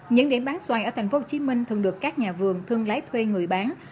những điểm bán xoài ở tp hcm thường được các nhà vườn thương lái thuê người bán